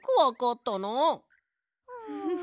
フフフ。